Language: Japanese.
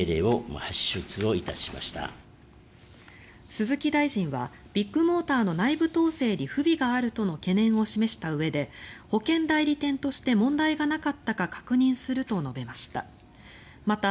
鈴木大臣はビッグモーターの内部統制に不備があるとの懸念を示したうえで保険代理店として問題がなかったか確認すると述べました。